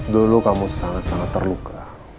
dulu kamu sangat sangat terluka